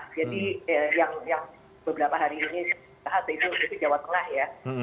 jadi yang beberapa hari ini terhadap itu jawa tengah ya